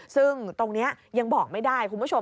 ซึ่งตรงนี้ยังบอกไม่ได้คุณผู้ชม